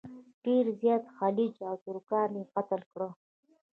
ډېر زیات خلج او ترکان یې قتل کړل.